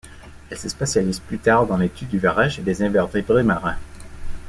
Elle se spécialiste plus tard dans l'étude du varech et des invertébrés marins.